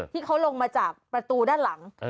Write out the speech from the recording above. ที่เขาลงมาจากประตูด้านหลัง